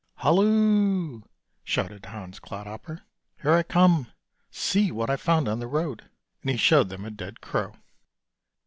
"Halloo!" shouted Hans Clodhopper, "here I come; see what I've found on the road," and he showed them a dead crow.